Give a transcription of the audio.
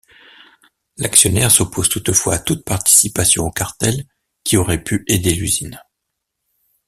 L'actionnaire s'oppose toutefois à toute participation aux cartels qui auraient pu aider l'usine.